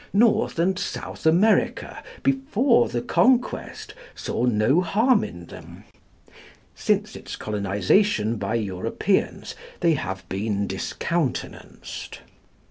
North and South America, before the Conquest, saw no harm in them. Since its colonisation by Europeans they have been discountenanced.